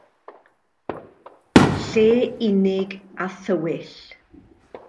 Lle unig a thywyll.